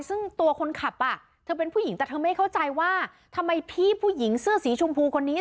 ซึ่งตัวคนขับอ่ะเธอเป็นผู้หญิงแต่เธอไม่เข้าใจว่าทำไมพี่ผู้หญิงเสื้อสีชมพูคนนี้